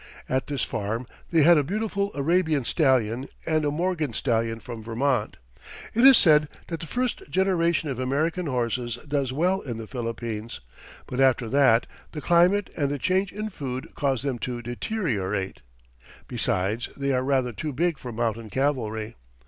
At this farm they had a beautiful Arabian stallion and a Morgan stallion from Vermont. It is said that the first generation of American horses does well in the Philippines, but after that the climate and the change in food cause them to deteriorate. Besides, they are rather too big for mountain cavalry.